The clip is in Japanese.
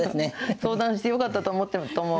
相談してよかったと思ってると思う。